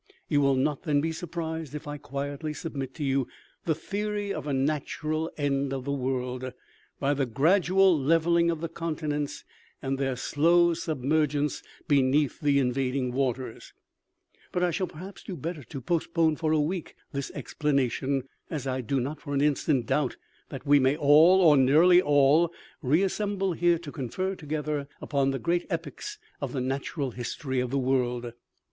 u You will not then be surprised if I quietly sub mit to you the theory of a natural end of the world, by the gradual levelling of the continents and their slow submergence beneath the invading waters ; but I shall perhaps do better to postpone for a week this explanation, as I do not for an instant doubt that we may all, or nearly all, reassemble here to confer together upon the great epochs of the natural history of the world."